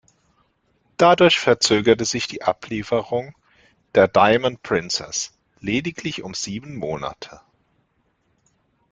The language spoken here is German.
Dadurch verzögerte sich die Ablieferung der "Diamond Princess" lediglich um sieben Monate.